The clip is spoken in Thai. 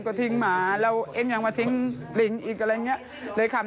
ค่ะมะลิดูแล้วลิงไม่ต้องรักษาล่ะ